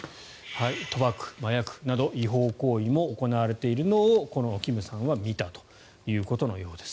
賭博、麻薬など違法行為も行われているのをこのキムさんは見たということのようです。